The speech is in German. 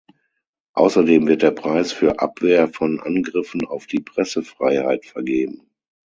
Außerdem wird der Preis für Abwehr von Angriffen auf die Pressefreiheit vergeben.